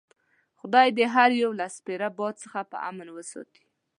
خدای دې هر یو له سپیره باد څخه په امان وساتي.